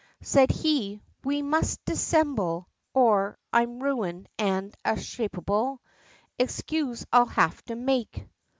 Said he, "We must dissimble, or I'm ruined, and a shapable, Excuse I'll have to make!"